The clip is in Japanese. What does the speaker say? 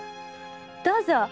どうぞ。